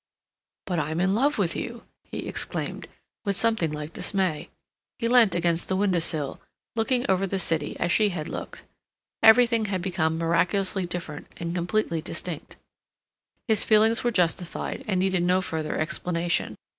"But I'm in love with you!" he exclaimed, with something like dismay. He leant against the window sill, looking over the city as she had looked. Everything had become miraculously different and completely distinct. His feelings were justified and needed no further explanation.